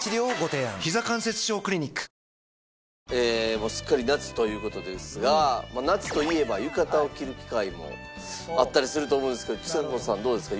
もうすっかり夏という事ですが夏といえば浴衣を着る機会もあったりすると思うんですけどちさ子さんどうですか？